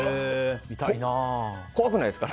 怖くないですか？